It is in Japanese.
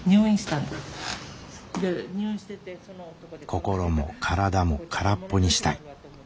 心も体も空っぽにしたい。